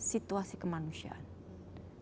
situasi kemanusiaan di afganistan